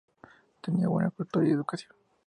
Tenía buena cultura y educación.